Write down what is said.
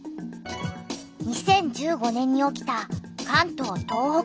２０１５年に起きた関東・東北豪雨。